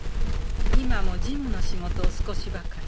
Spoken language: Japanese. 今も事務の仕事を少しばかり。